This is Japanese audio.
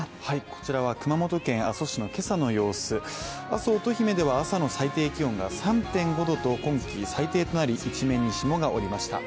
こちらは熊本県阿蘇市の今朝の様子、阿蘇乙姫では、今朝の最低気温が３．５度と今季最低となり、一面に霜が降りました。